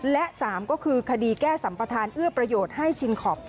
และ๓ก็คือคดีแก้สัมประธานเอื้อประโยชน์ให้ชิงคอป